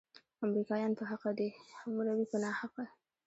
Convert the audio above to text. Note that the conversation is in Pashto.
امریکایان په حقه دي، حموربي په ناحقه.